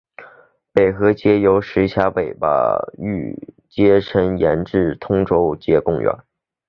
北河街由石硖尾巴域街伸延至通州街公园。